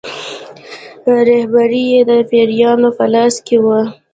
رهبري یې د پیرانو په لاس کې وه.